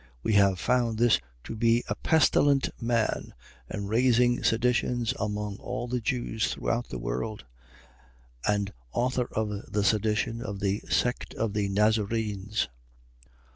24:5. We have found this to be a pestilent man and raising seditions among all the Jews throughout the world: and author of the sedition of the sect of the Nazarenes.